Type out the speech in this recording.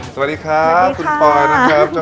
สวัสดีครับคุณปอยนะครับ